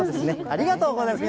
ありがとうございます。